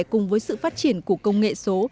cùng với sự phát triển của công nghệ số